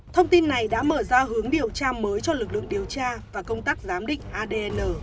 thông tin này đã mở ra hướng điều tra mới cho lực lượng điều tra và công tác giám định adn